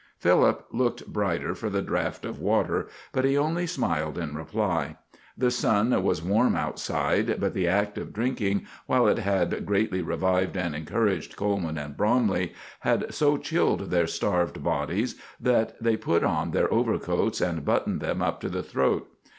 Philip looked brighter for the draft of water, but he only smiled in reply. The sun was warm outside, but the act of drinking, while it had greatly revived and encouraged Coleman and Bromley, had so chilled their starved bodies that they put on their overcoats and buttoned them up to the throat.